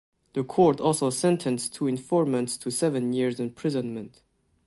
The court also sentenced two informants to seven years imprisonment.